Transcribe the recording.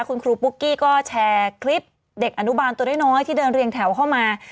คุณครูปุ๊กกี้ก็แชร์คลิปเด็กอนุบาลตัวน้อยที่เดินเรียงแถวเข้ามา